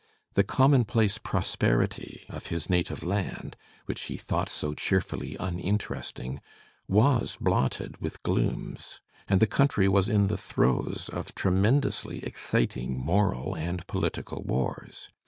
The commonplace prosperity of his native land, which he thought so cheerfully uninteresting, was blotted with glooms, and the country was in the throes of tremen dously exciting moral and political wars.